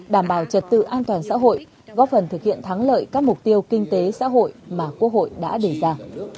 đảm bảo trật tự an toàn xã hội góp phần thực hiện thắng lợi các mục tiêu kinh tế xã hội mà quốc hội đã đề ra